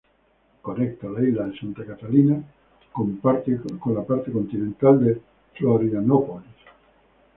Conecta la isla de Santa Catarina con la parte continental de Florianópolis.